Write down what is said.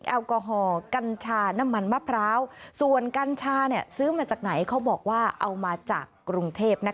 แอลกอฮอล์กัญชาน้ำมันมะพร้าวส่วนกัญชาซื้อมาจากไหนเขาบอกว่าเอามาจากกรุงเทพ